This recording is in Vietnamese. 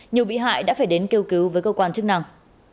nhiều bị hại đã phải đến kêu cứu với cơ quan chức năng